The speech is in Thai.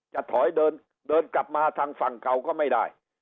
จะถอยเดินกลับมาทางฝั่งเก่าก็ไม่ได้